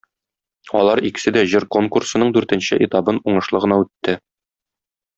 Алар икесе дә җыр конкурсының дүртенче этабын уңышлы гына үтте.